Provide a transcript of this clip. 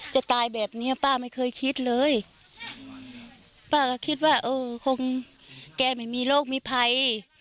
จะตายแบบเนี้ยป้าไม่เคยคิดเลยป้าก็คิดว่าเออคงแกไม่มีโรคมีภัย